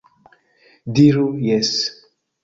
Diru jes!